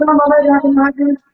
selamat malam pak pak